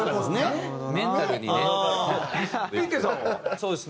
そうですね